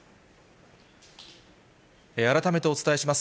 改めてお伝えします。